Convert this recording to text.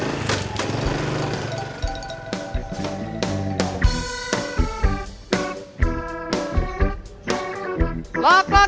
terima kasih pak